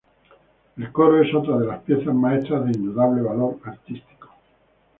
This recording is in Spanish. El coro es otra de las piezas maestras de indudable valor artístico.